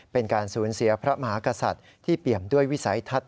เป็นการสูญเสียพระมหากษัตริย์ที่เปี่ยมด้วยวิสัยทัศน